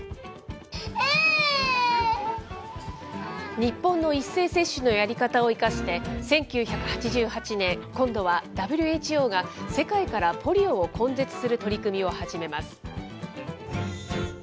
日本の一斉接種のやり方を生かして、１９８８年、今度はＷＨＯが、世界からポリオを根絶する取り組みを始めます。